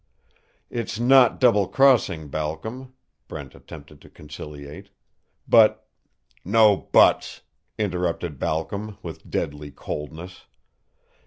"It's not double crossing, Balcom," Brent attempted to conciliate, "but " "No 'buts,'" interrupted Balcom, with deadly coldness.